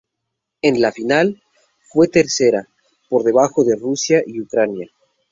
En la final, fue tercera, por debajo de Rusia y Ucrania.